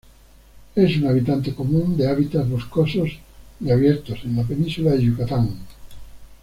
Es un habitante común de hábitats boscosos y abiertos en la península de Yucatán.